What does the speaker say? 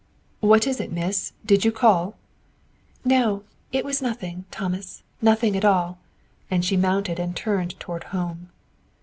"What is it, Miss? Did you call?" "No; it was nothing, Thomas nothing at all," and she mounted and turned toward home.